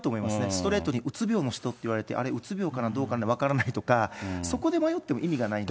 ストレートにうつ病の人って聞かれて、あれ、うつ病かなどうかな、分からないとか、そこで迷っても意味がないんで。